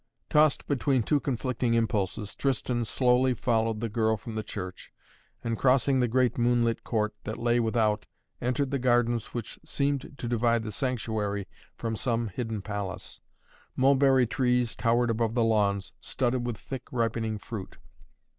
Tossed between two conflicting impulses, Tristan slowly followed the girl from the church and, crossing the great, moonlit court that lay without, entered the gardens which seemed to divide the sanctuary from some hidden palace. Mulberry trees towered above the lawns, studded with thick, ripening fruit.